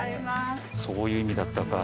そういう意味だったか。